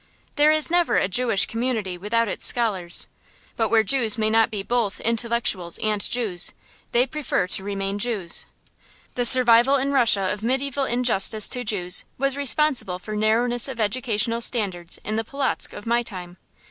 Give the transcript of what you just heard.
There is never a Jewish community without its scholars, but where Jews may not be both intellectuals and Jews, they prefer to remain Jews. The survival in Russia of mediæval injustice to Jews was responsible for the narrowness of educational standards in the Polotzk of my time.